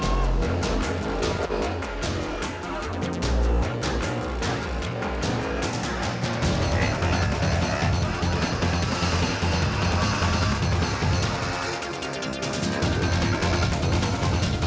aduh aduh aduh aduh